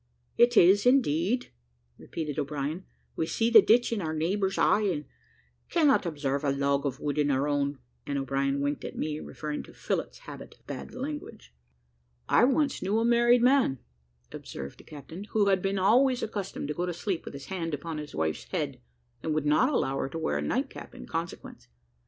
"It is, indeed," repeated O'Brien; "we see the ditch in our neighbour's eye, and cannot observe the log of wood in our own;" and O'Brien winked at me, referring to Phillott's habit of bad language. "I once knew a married man," observed the captain, "who had been always accustomed to go to sleep with his hand upon his wife's head, and would not allow her to wear a night cap in consequence.